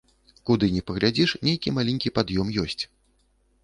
Куды ні паглядзіш, нейкі маленькі пад'ём ёсць.